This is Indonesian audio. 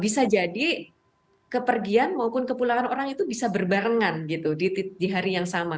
bisa jadi kepergian maupun kepulangan orang itu bisa berbarengan gitu di hari yang sama